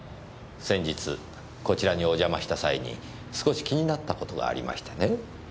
先日こちらにお邪魔した際に少し気になった事がありましてね。